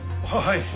はい。